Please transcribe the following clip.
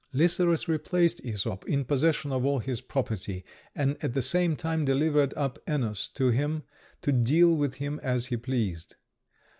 Lycerus replaced Æsop in possession of all his property, and at the same time delivered up Ennus to him, to deal with him as he pleased.